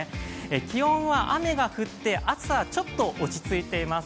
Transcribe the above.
気温は雨が降って暑さはちょっと落ち着いています。